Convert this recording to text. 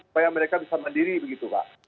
supaya mereka bisa mandiri begitu pak